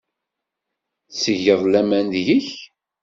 Ttgeɣ laman deg-k.